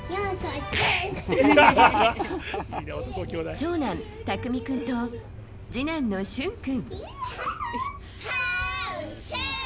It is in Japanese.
長男・匠君と次男の旬君。